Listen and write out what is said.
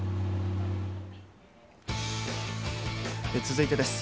続いてです。